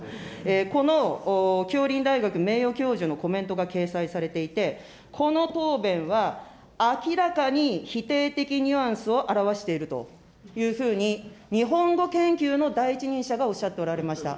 この杏林大学名誉教授のコメントが掲載されていて、この答弁は、明らかに否定的ニュアンスを表しているというふうに日本語研究の第一人者がおっしゃっておられました。